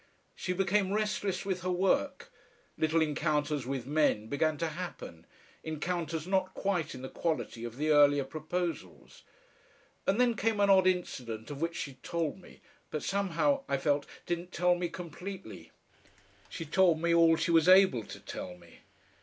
She became restless with her work; little encounters with men began to happen, encounters not quite in the quality of the earlier proposals; and then came an odd incident of which she told me, but somehow, I felt, didn't tell me completely. She told me all she was able to tell me.